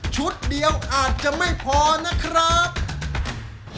เดียวอาจจะไม่พอนะครับ